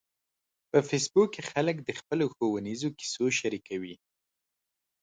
په فېسبوک کې خلک د خپلو ښوونیزو کیسو شریکوي